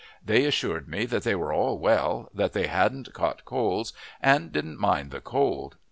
They assured me that they were all well, that they hadn't caught colds and didn't mind the cold.